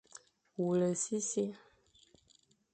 Wule sisi,